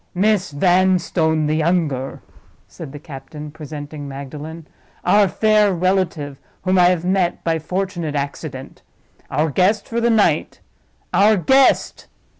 "Miss Vanstone, the younger," said the captain, presenting Magdalen. "Our fair relative, whom I have met by fortunate accident. Our guest for the night. Our guest!"